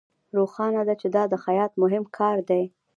روښانه ده چې دا د خیاط مهم کار دی